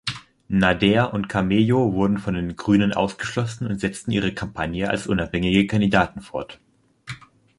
Nader und Camejo wurden von den Grünen ausgeschlossen und setzten ihre Kampagne als unabhängige Kandidaten fort.